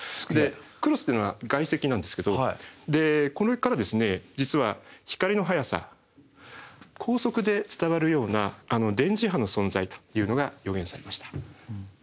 クロスってのは外積なんですけどでこれから実は光の速さ光速で伝わるような電磁波の存在というのが予言されました。